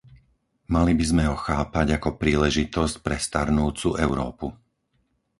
Mali by sme ho chápať ako príležitosť pre starnúcu Európu.